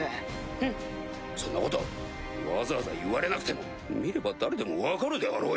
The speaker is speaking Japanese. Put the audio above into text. フンっそんなことわざわざ言われなくても見れば誰でも分かるであろうよ！